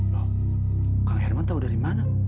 loh kang herman tahu dari mana